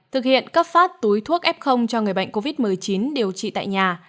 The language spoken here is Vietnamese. thực hiện cấp phát túi thuốc f cho người bệnh covid một mươi chín điều trị tại nhà